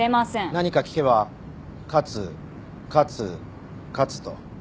何か聞けば「勝つ」「勝つ」「勝つ」と。